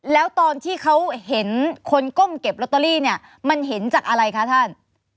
แล้วตอนที่เขาเห็นคนก้มเก็บลอตเตอรี่เนี่ยมันเห็นจากอะไรคะท่าน